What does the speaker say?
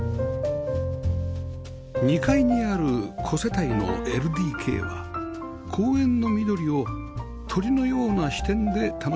２階にある子世帯の ＬＤＫ は公園の緑を鳥のような視点で楽しめます